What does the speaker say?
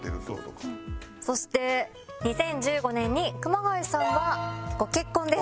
そして２０１５年に熊谷さんはご結婚です。